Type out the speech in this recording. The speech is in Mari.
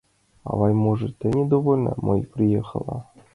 — Авай, может, тый недовольна, что мый приехала?